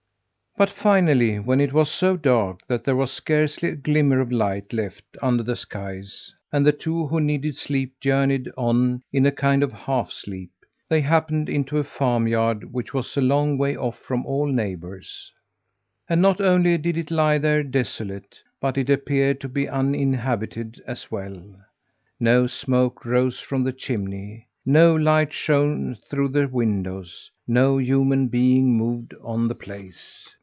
But finally, when it was so dark that there was scarcely a glimmer of light left under the skies and the two who needed sleep journeyed on in a kind of half sleep, they happened into a farmyard which was a long way off from all neighbours. And not only did it lie there desolate, but it appeared to be uninhabited as well. No smoke rose from the chimney; no light shone through the windows; no human being moved on the place.